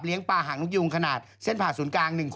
เลี้ยงปลาห่างลูกยูงขนาดเส้นผ่านศูนย์กลาง